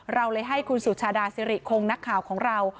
เราเลยให้คุณสุชาดาสิริคงนักข่าวของเรา